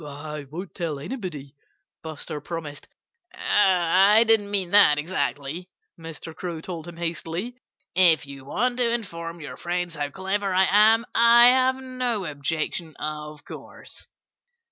"I won't tell anybody," Buster promised. "Oh, I didn't mean that, exactly," Mr. Crow told him hastily. "If you want to inform your friends how clever I am, I have no objection, of course."